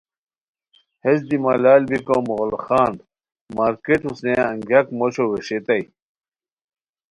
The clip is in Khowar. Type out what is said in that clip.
ہیس دی ملال بیکو مغل خان مارکیٹ اوسنئے انگیاک موشو ویشئیتائے